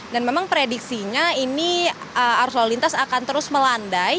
dan memang prediksinya ini arus salur lintas akan terus melandai